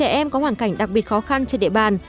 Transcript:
bảy em có hoàn cảnh đặc biệt khó khăn trên địa bàn